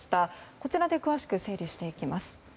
こちらで詳しく整理していきます。